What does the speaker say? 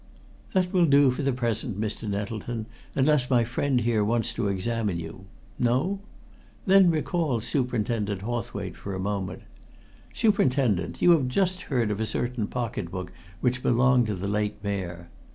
"That will do for the present, Mr. Nettleton, unless my friend here wants to examine you. No? Then recall Superintendent Hawthwaite for a moment. Superintendent, you have just heard of a certain pocket book which belonged to the late Mayor.